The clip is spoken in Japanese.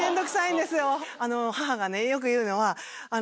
母がねよく言うのは。